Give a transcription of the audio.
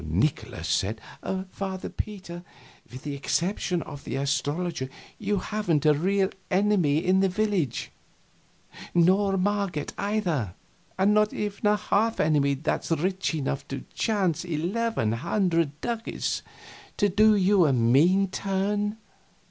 Nikolaus said: "Father Peter, with the exception of the astrologer you haven't a real enemy in the village nor Marget, either. And not even a half enemy that's rich enough to chance eleven hundred ducats to do you a mean turn.